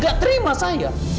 gak terima saya